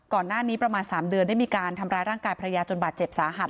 ก่อนหน้านี้ประมาณ๓เดือนได้มีการทำร้ายร่างกายภรรยาจนบาดเจ็บสาหัส